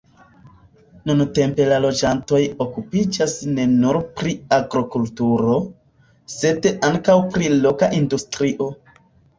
Nuntempe la loĝantoj okupiĝas ne nur pri agrokulturo, sed ankaŭ pri loka industrio.